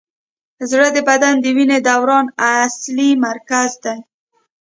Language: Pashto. زړه د بدن د وینې دوران اصلي مرکز دی.